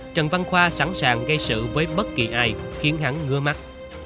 trần văn khoa sẵn sàng gây sự với bất kỳ ai khiến hắn ngứa mắt